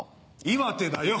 岩手だよ。